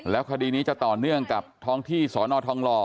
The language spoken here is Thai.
คดีนี้จะต่อเนื่องกับท้องที่สอนอทองหล่อ